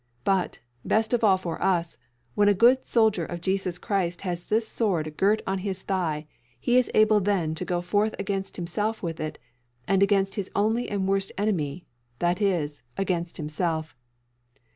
But, best of all for us, when a good soldier of Jesus Christ has this sword girt on his thigh he is able then to go forth against himself with it; against his own only and worst enemy that is, against himself.